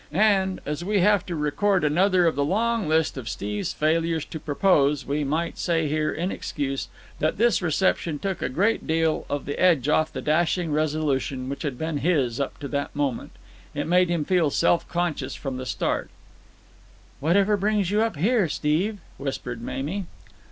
And, as we have to record another of the long list of Steve's failures to propose we may say here, in excuse, that this reception took a great deal of the edge off the dashing resolution which had been his up to that moment. It made him feel self conscious from the start. "Whatever brings you up here, Steve?" whispered Mamie.